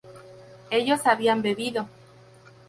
ellos habían bebido